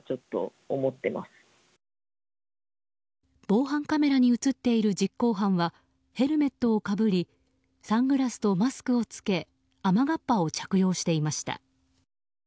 防犯カメラに映っている実行犯はヘルメットをかぶりサングラスとマスクを着け雨がっぱを着用していました。